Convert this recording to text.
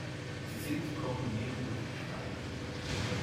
Sie singt, komponiert und schreibt.